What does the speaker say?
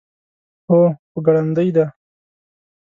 هو، خو ګړندۍ ده